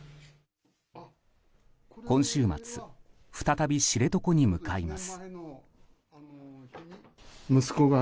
今週末、再び知床に向かいます。